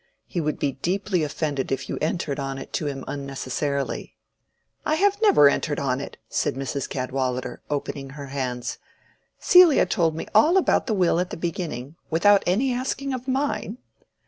He would be deeply offended if you entered on it to him unnecessarily." "I have never entered on it," said Mrs Cadwallader, opening her hands. "Celia told me all about the will at the beginning, without any asking of mine."